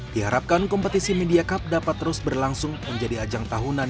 diharapkan kompetisi media cup dapat terus berlangsung menjadi ajang tahunan